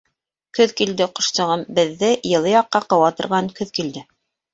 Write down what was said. — Көҙ килде, ҡошсоғом, беҙҙе йылы яҡҡа ҡыуа торған көҙ килде.